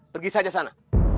pergi saja sana